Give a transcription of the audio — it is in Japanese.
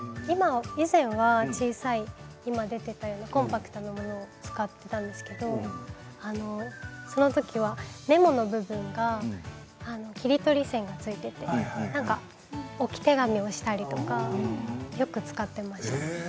以前はコンパクトなものを使っていたんですがその時はメモの部分が切り取り線がついていて置き手紙をしたりとかよく使っていました。